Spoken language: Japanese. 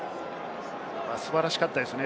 素晴らしかったですね。